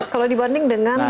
kalau dibanding dengan misalnya